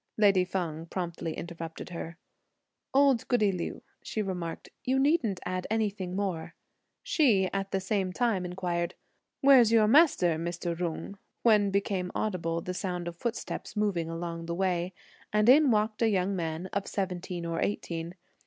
Lady Feng promptly interrupted her. "Old goody Liu," she remarked, "you needn't add anything more." She, at the same time, inquired, "Where's your master, Mr. Jung?" when became audible the sound of footsteps along the way, and in walked a young man of seventeen or eighteen.